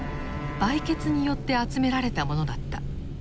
売血によって集められたものだった。